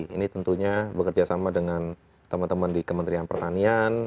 ini tentunya bekerja sama dengan teman teman di kementerian pertanian